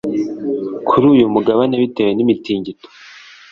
kuri uyu mugabane bitewe n'imitingito